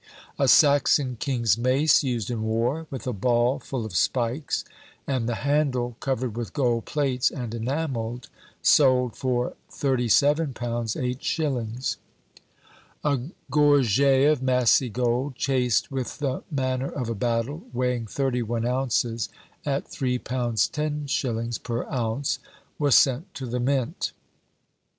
A Saxon king's mace used in war, with a ball full of spikes, and the handle covered with gold plates, and enamelled, sold for £37 8_s_. A gorget of massy gold, chased with the manner of a battle, weighing thirty one ounces, at £3 10_s_. per ounce, was sent to the Mint.